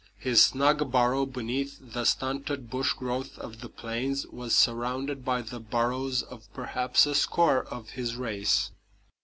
His snug burrow beneath the stunted bush growth of the plains was surrounded by the burrows of perhaps a score of his race.